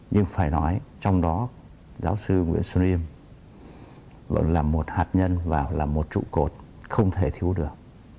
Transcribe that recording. nhưng phải nói trong đó giáo sư nguyễn xuân yên vẫn là một hạt nhân và là một trụ cột không thể thiếu được